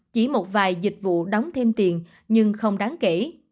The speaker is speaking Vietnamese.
chỉ một vài dịch vụ đóng thêm tiền nhưng không đáng kể